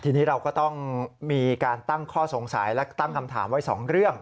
ทีนี้เราก็ต้องมีการตั้งข้อสงสัยและตั้งคำถามไว้สองเรื่อง